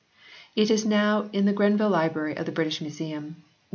It is now in the Grenville Library of the British Museum, No.